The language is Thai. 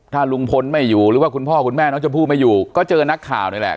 ถ้าลุงพลไม่อยู่หรือว่าคุณพ่อคุณแม่น้องชมพู่ไม่อยู่ก็เจอนักข่าวนี่แหละ